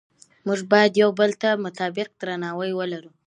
موږ باید یو بل ته متقابل درناوی ولرو